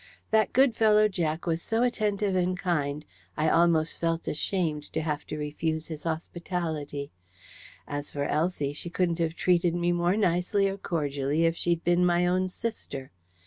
That good fellow Jack was so attentive and kind, I almost felt ashamed to have to refuse his hospitality; and as for Elsie, she couldn't have treated me more nicely or cordially if she'd been my own sister.